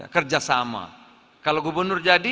kerjasama kalau gubernur jadi